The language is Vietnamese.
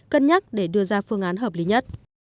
cân nhắc để đưa ra phương án hợp lý nhất